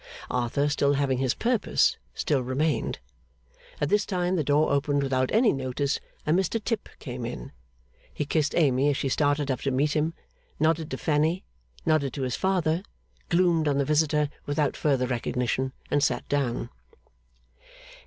Arthur, still having his purpose, still remained. At this time the door opened, without any notice, and Mr Tip came in. He kissed Amy as she started up to meet him, nodded to Fanny, nodded to his father, gloomed on the visitor without further recognition, and sat down.